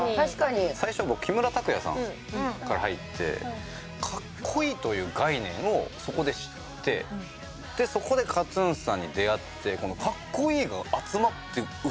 最初僕木村拓哉さんから入って「かっこいい」という概念をそこで知ってそこでＫＡＴ−ＴＵＮさんに出会って。